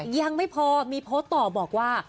ยังไม่พอมีโพสต์ต่อบอกว่า